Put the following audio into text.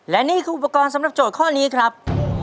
และนี่คืออุปกรณ์สำหรับโจทย์ข้อนี้ครับ